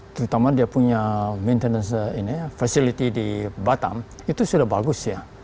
terutama dia punya maintenance facility di batam itu sudah bagus ya